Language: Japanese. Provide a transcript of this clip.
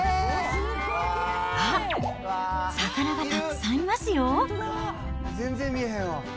あっ、魚がたくさんいますよ。